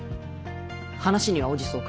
話には応じそうか。